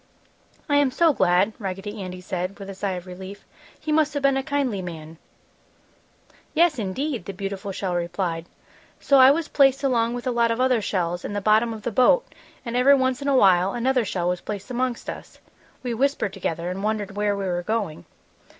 "I am so glad!" Raggedy Andy said, with a sigh of relief. "He must have been a kindly man!" "Yes, indeed!" the beautiful shell replied. "So I was placed along with a lot of other shells in the bottom of the boat and every once in a while another shell was placed amongst us. We whispered together and wondered where we were going.